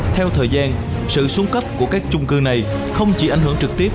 theo thời gian sự xuống cấp của các chung cư này không chỉ ảnh hưởng trực tiếp